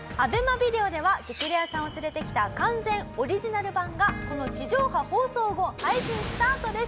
ビデオでは『激レアさんを連れてきた。』完全オリジナル版がこの地上波放送後配信スタートです。